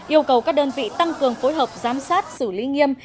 yêu cầu các đơn vị tăng cường phối hợp giám sát xử lý nghiêm